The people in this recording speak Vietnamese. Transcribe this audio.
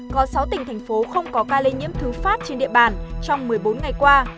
có sáu tỉnh thành phố không có ca lây nhiễm thứ phát trên địa bàn trong một mươi bốn ngày qua